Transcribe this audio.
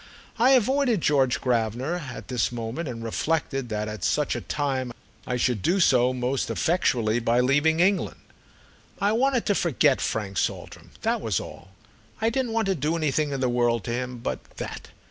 I avoided George Gravener at this moment and reflected that at such a time I should do so most effectually by leaving England. I wanted to forget Frank Saltram—that was all. I didn't want to do anything in the world to him but that.